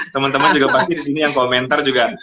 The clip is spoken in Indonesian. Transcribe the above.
temen temen juga pasti disini yang komentar juga